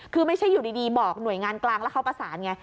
คือไม่ใช่อยู่ดีบอกหน่วยงานกลางแล้วเขาประสานไง